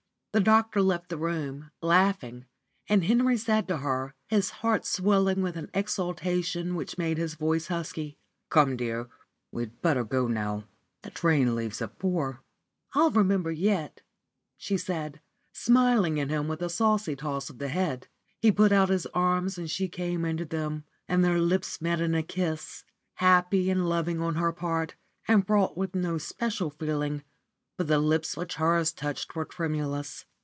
The doctor left the room, laughing, and Henry said to her, his heart swelling with an exultation which made his voice husky, "Come, dear, we had better go now: the train leaves at four." "I'll remember yet," she said, smiling at him with a saucy toss of the head. He put out his arms and she came into them, and their lips met in a kiss, happy and loving on her part, and fraught with no special feeling, but the lips which hers touched were tremulous.